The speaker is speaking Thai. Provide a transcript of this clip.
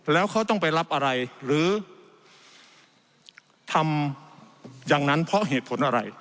แล้วเขาต้องไปรับอะไรหรือทำอย่างนั้นเพราะเหตุผลอะไร